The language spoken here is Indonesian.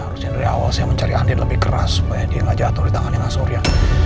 harusnya dari awal saya mencari andin lebih keras supaya dia gak jatuh di tangan mas surya